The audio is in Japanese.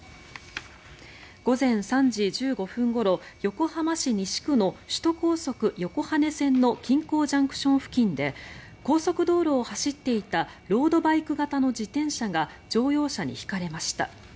午前３時１５分ごろ横浜市西区の首都高速横羽線の金港ＪＣＴ付近で高速道路を走っていたロードバイク型の自転車が乗用車にひかれました。